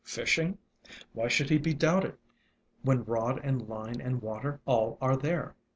Fishing ? Why should he be doubted, when rod and line and water all are there